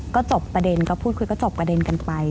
ก็จบประเด็นก็พูดคุยก็จบประเด็นกันไป